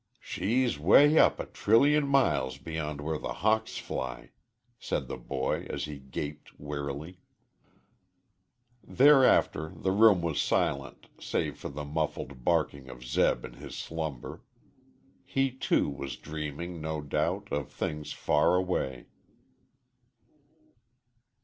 "She's way up a Trillion miles beyond where the hawks fly," said the boy, as he gaped wearily. Thereafter the room was silent, save for the muffled barking of Zeb in his slumber. He, too, was dreaming, no doubt, of things far away.